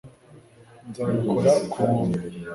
nzabikora kubuntu